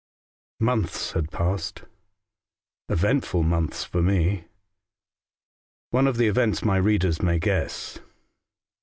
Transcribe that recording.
MONTHS had passed — eventful montlis for me. One of the events my readers may guess.